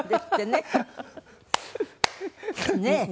ねえ。